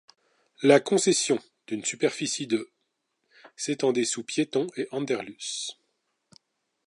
La concession d'une superficie de s'étendait sous Piéton et Anderlues.